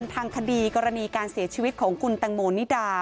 ทางคดีกรณีการเสียชีวิตของคุณตังโมนิดา